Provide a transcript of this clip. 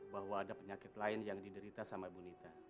bahwa ada penyakit lain yang diderita sama ibu nita